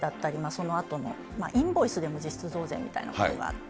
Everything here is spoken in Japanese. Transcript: そのあとの、インボイスでも実質増税みたいなことがあって。